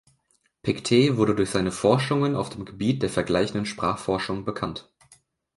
Pictet wurde durch seine Forschungen auf dem Gebiet der vergleichenden Sprachforschung bekannt.